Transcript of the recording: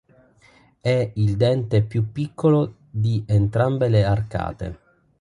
È il dente più piccolo di entrambe le arcate.